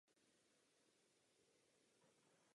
Do všech městeček a obcí na trase zajíždí autobusová doprava.